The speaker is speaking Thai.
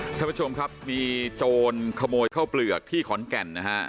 ท่านผู้ชมครับมีโจรขโมยข้าวเปลือกที่ขอนแก่นนะฮะ